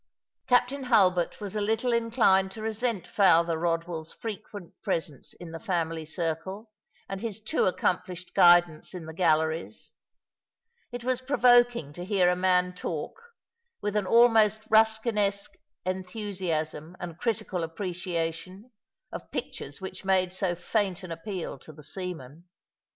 Captain Hulbert was a little inclined to resent Father Eodwell's frequent presence in the family circle, and his too accomplished guidance in the galleries. It was provoking to hear a man talk, with an almost Euskinesque enthusiasm and critical appreciation, of pictures which made BO faint an appeal to the seaman.